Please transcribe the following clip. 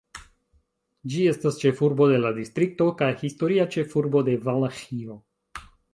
Ĝi estas ĉefurbo de la distrikto kaj historia ĉefurbo de Valaĥio.